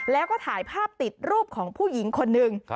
แล้วก็ถ่ายภาพติดรูปของผู้หญิงคนหนึ่ง